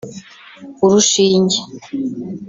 urushinge